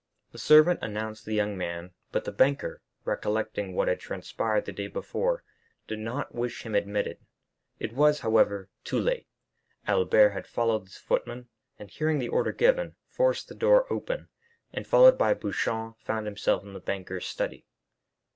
The servant announced the young man; but the banker, recollecting what had transpired the day before, did not wish him admitted. It was, however, too late; Albert had followed the footman, and, hearing the order given, forced the door open, and followed by Beauchamp found himself in the banker's study.